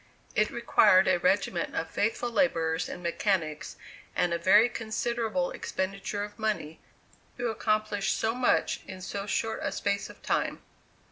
It required a regiment of faithful laborers and mechanics, and a very considerable expenditure of money, to accomplish so much in so short a space of time.